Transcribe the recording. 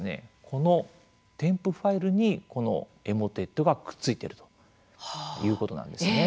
この添付ファイルにこのエモテットがくっついてるということなんですね。